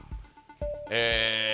え。